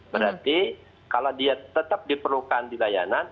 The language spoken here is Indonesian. berarti kalau dia tetap diperlukan di layanan